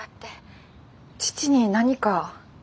父に何か？